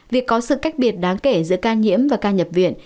vì có sự cách biệt đáng kể giữa ca nhiễm và ca nhập viện